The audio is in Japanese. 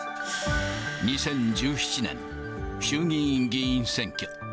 ２０１７年、衆議院議員選挙。